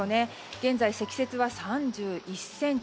現在、積雪は３１ｃｍ。